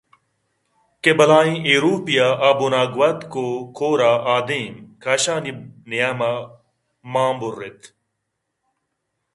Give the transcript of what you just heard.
کہ بلاہیں ہِیروپے ءَ آ بُن ءَ گوٛتک ءُ کور ءَ آدیم کاشانی نیام ءَ مَان بُرّ اِت